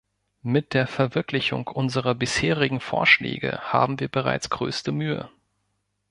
Mit der Verwirklichung unserer bisherigen Vorschläge haben wir bereits größte Mühe.